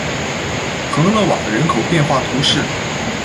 蓬勒瓦人口变化图示